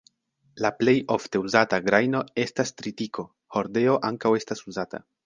La plej ofte uzata grajno estas tritiko; hordeo ankaŭ estas uzata.